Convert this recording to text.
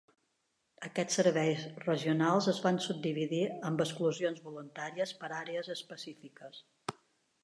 Aquests serveis regionals es van subdividir amb exclusions voluntàries per àrees específiques.